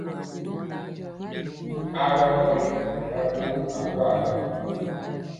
Ɔwa kɔli i gwomɔ akwaa mɔ.